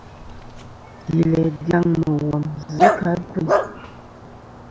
Yi læ dyaŋ mùghom zɨ kɨ̀ a gveyn.